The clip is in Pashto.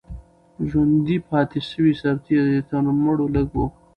ژوندي پاتې سوي سرتیري تر مړو لږ وو.